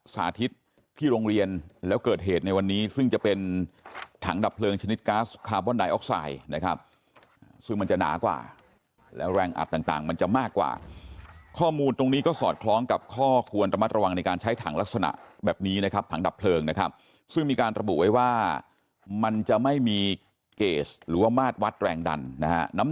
สาธิตที่โรงเรียนแล้วเกิดเหตุในวันนี้ซึ่งจะเป็นถังดับเพลิงชนิดก๊าซคาร์บอนไดออกไซด์นะครับซึ่งมันจะหนากว่าแล้วแรงอัดต่างมันจะมากกว่าข้อมูลตรงนี้ก็สอดคล้องกับข้อควรระมัดระวังในการใช้ถังลักษณะแบบนี้นะครับถังดับเพลิงนะครับซึ่งมีการระบุไว้ว่ามันจะไม่มีเกรสหรือว่ามาดวัดแรงดันนะฮะน้ำ